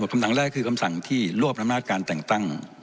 คำหนังแรกคือคำสั่งที่รวบอำนาจการแต่งตั้ง